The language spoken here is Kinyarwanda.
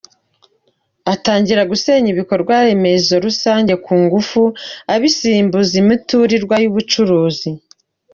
Atangira gusenya ibikorwa remezo rusange ku ngufu abisimbuza imiturirwa y’ubucuruzi.